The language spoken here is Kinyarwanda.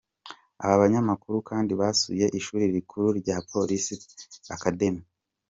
Aba banyamakuru kandi basuye Ishuri rikuru rya polisi “Police Academy”.